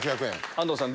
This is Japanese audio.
安藤さん